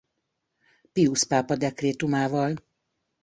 Piusz pápa dekrétumával.